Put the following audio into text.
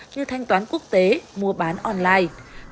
như thanh toán quốc tế mua bán online